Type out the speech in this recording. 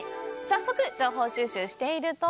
早速、情報収集していると。